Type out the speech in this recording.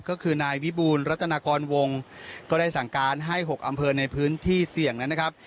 ก็คือนายวิบูรณรัตนากรวงก็ได้สั่งการให้๖อำเภอในพื้นที่เสี่ยงนั้นนะครับ